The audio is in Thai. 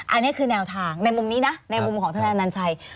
อันนี้คือนาศาลในมุมนี้กันในมุมของทนายนันไช